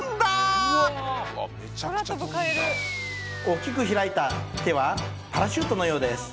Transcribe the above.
大きく開いた手はパラシュートのようです。